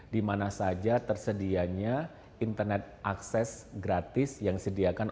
di mana saja tersedianya internet akses gratis yang sediakan